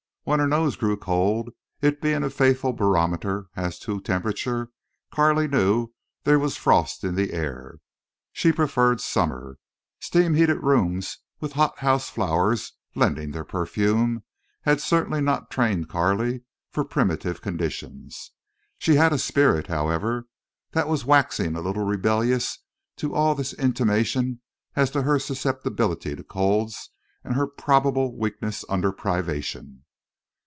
When her nose grew cold, it being a faithful barometer as to temperature, Carley knew there was frost in the air. She preferred summer. Steam heated rooms with hothouse flowers lending their perfume had certainly not trained Carley for primitive conditions. She had a spirit, however, that was waxing a little rebellious to all this intimation as to her susceptibility to colds and her probable weakness under privation.